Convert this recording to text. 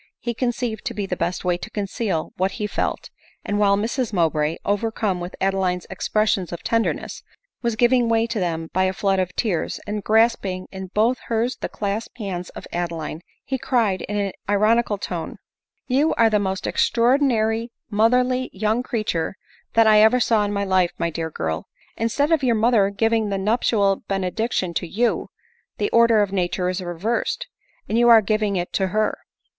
he conceived to be the best way to conceal what be felt ; and while Mrs Mowbray, overcome with Adeline's ex pressions of tenderness, was giving way to them by a flood of tears, and grasping in both hers the clasped hands of Adeline, he cried, in an ironical tone —" You are the most extraordinary motherly young creature that I ever saw in my life, my dear girl ! Instead of your mo ther giving the nuptial benediction to you, the order of nature is reversed, and you are giving it to her.